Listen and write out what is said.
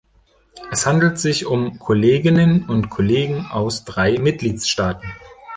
Es handelt sich um Kolleginnen und Kollegen aus drei Mitgliedstaaten.